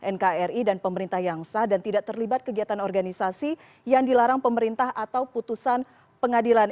nkri dan pemerintah yang sah dan tidak terlibat kegiatan organisasi yang dilarang pemerintah atau putusan pengadilan